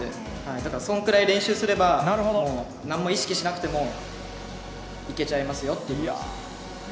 だからそのぐらい練習すれば、もうなんも意識しなくても、いけちゃいますよということですね。